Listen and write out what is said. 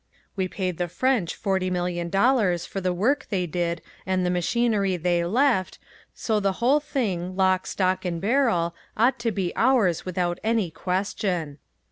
We paid the French forty million dollars for the work they did and the machinery they left so the whole thing, lock, stock and barrel, ought to be ours without any question.